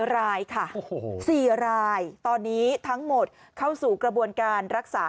รายค่ะ๔รายตอนนี้ทั้งหมดเข้าสู่กระบวนการรักษา